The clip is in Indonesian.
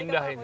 dan indah ini